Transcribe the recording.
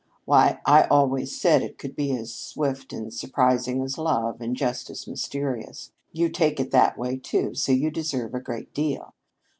Why, I always said it could be as swift and surprising as love, and just as mysterious. You take it that way, too, so you deserve a great deal.